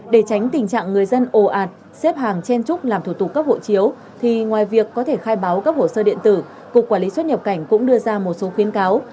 để tránh tình trạng người dân ồ ạt xếp hàng chen trúc làm thủ tục cấp hộ chiếu thì ngoài việc có thể khai báo các hồ sơ điện tử cục quản lý xuất nhập cảnh cũng đưa ra một số khuyến cáo